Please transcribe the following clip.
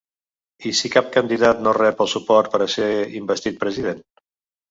I si cap candidat no rep el suport per a ser investit president?